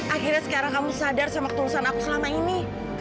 akhirnya sekarang kamu sadar sama ketulusan aku selama ini